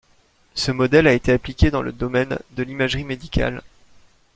Ce modèle a été appliqué dans le domaine de l'imagerie médicale.